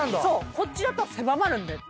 こっちだと狭まるんです。